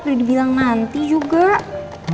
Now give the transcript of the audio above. udah dibilang nanti juga